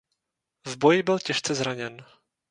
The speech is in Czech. V boji byl těžce zraněn.